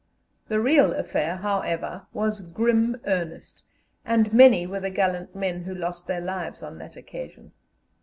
The real affair, however, was grim earnest, and many were the gallant men who lost their lives on that occasion.